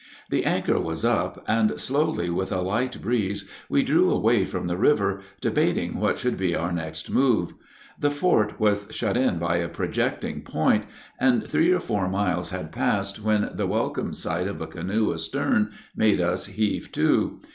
The anchor was up, and slowly with a light breeze we drew away from the river, debating what should be our next move. The fort was shut in by a projecting point, and three or four miles had passed when the welcome sight of a canoe astern made us heave to.